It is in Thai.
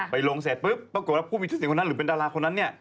ลงเสร็จปุ๊บปรากฏว่าผู้มีชื่อเสียงคนนั้นหรือเป็นดาราคนนั้นเนี่ย